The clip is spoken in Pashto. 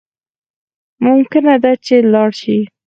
ممکنه ده چی لاړ شی